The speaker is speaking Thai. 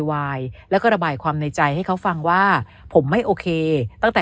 วายแล้วก็ระบายความในใจให้เขาฟังว่าผมไม่โอเคตั้งแต่